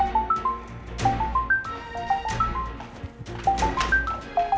engga deh gue udah kenyang